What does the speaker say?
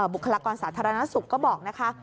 บุคลากรสาธารณสุขก็บอกนะคะ